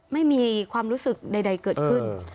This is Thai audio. ไม่มีความรู้สึกใดเกิดขึ้น